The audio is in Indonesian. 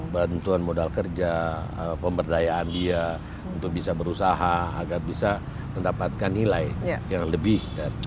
bantuan modal kerja pemberdayaan dia untuk bisa berusaha agar bisa mendapatkan nilai yang lebih